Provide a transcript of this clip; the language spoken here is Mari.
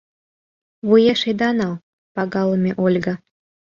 — Вуеш ида нал, пагалыме Ольга...